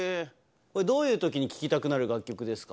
どういうときに聴きたくなる楽曲ですか？